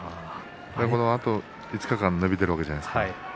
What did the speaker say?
あと５日間伸びたわけじゃないですか。